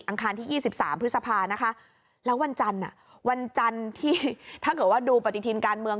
คารที่๒๓พฤษภานะคะแล้ววันจันทร์วันจันทร์ที่ถ้าเกิดว่าดูปฏิทินการเมือง